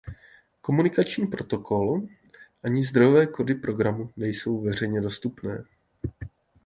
Komunikační protokol ani zdrojové kódy programu nejsou veřejně dostupné.